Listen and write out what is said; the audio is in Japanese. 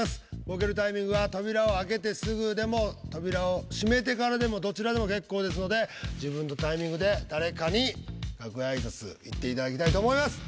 ボケるタイミングは扉を開けてすぐでも扉を閉めてからでもどちらでも結構ですので自分のタイミングで誰かに楽屋挨拶行っていただきたいと思います。